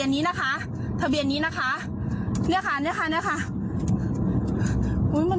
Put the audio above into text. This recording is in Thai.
เนี้ยค่ะเหนี้ยค่ะ